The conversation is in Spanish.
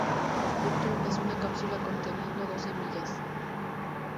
El fruto es una cápsula conteniendo dos semillas.